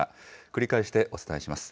繰り返してお伝えします。